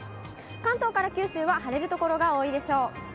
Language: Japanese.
関東から九州は晴れる所が多いでしょう。